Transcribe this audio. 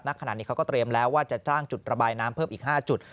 ขณะนี้เขาก็เตรียมแล้วว่าจะจ้างจุดระบายน้ำเพิ่มอีก๕จุด